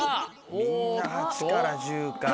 みんな「８１０」か。